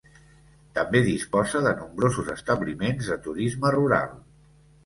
També disposa de nombrosos establiments de turisme rural.